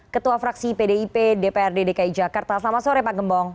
ketua fraksi pdip dprd dki jakarta selamat sore pak gembong